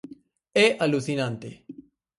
É alucinante.